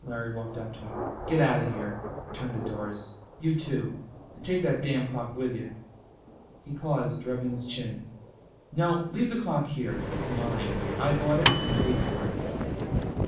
Larry walked up to him. "Get out of here." He turned to Doris. "You too. And take that damn clock with you." He paused, rubbing his chin. "No. Leave the clock here. It's mine; I bought it and paid for it."